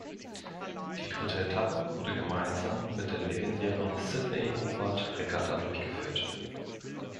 Die dritte Etappe wurde gemeinsam mit der legendären Sydney-Hobart-Regatta durchgeführt.